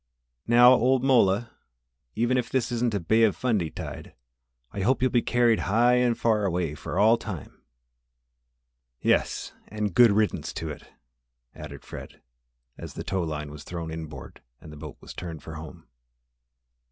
"Now, old mola, even if this isn't a Bay of Fundy tide, I hope you'll be carried high and away for all time." "Yes, and good riddance to it!" added Fred, as the tow line was thrown inboard and the boat was turned for home.